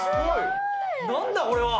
何だこれは！